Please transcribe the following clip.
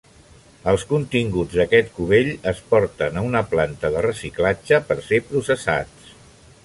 Els continguts d'aquest cubell es porten a una planta de reciclatge per ser processats.